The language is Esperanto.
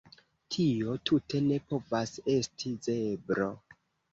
Tio tute ne povas esti zebro